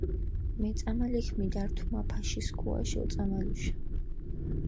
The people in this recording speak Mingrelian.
მეწამალექ მიდართ მაფაში სქუაში ოწამალუშა.